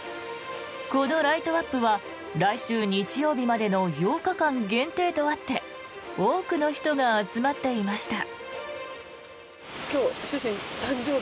このライトアップは来週日曜日までの８日間限定とあって多くの人が集まっていました。